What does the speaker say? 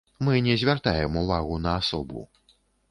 Мы не звяртаем увагу на асобу.